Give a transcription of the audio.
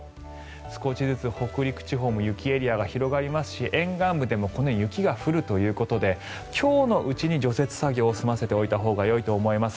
少しずつ北陸地方も雪エリアが広がりますし沿岸部でもこのように雪が降るということで今日のうちに除雪作業を済ませておいたほうがよいと思います。